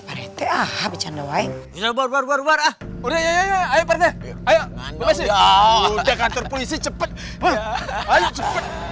parete ah pecahan doang kita baru baru barah udah ya ayo ayo ayo udah kantor polisi cepet ayo